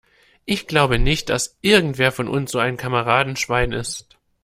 Ich glaube nicht, dass irgendeiner von uns so ein Kameradenschwein ist.